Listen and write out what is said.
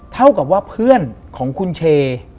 เท่ากับว่าเพื่อนของคุณเช